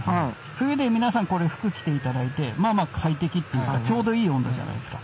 冬で皆さんこの服着て頂いてまあまあ快適っていうかちょうどいい温度じゃないですか。